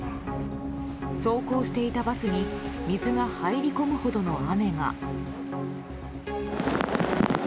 走行していたバスに水が入り込むほどの雨が。